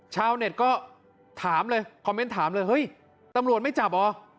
ชาวเน็ตก็ถามเลยคอมเมนต์ถามเลยเฮ้ยตำรวจไม่จับเหรอ